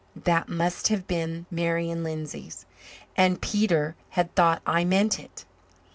That must have been Marian Lindsay's, and Peter had thought I meant it.